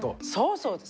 そうです。